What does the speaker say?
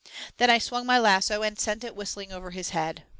Then I swung my lasso and sent it whistling over his head.